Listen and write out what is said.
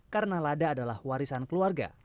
karena lada adalah warisan keluarga